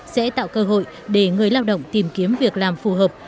sẽ tạo cơ hội để người lao động tìm kiếm việc làm phù hợp